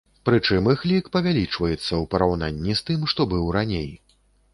Прычым іх лік павялічыцца ў параўнанні з тым, што быў раней.